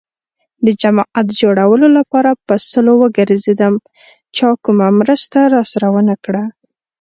د جماعت جوړولو لپاره په سلو وگرځېدم. چا کومه مرسته راسره ونه کړه.